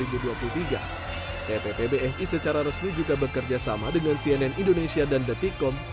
ppp bsi secara resmi juga bekerja sama dengan cnn indonesia dan detikom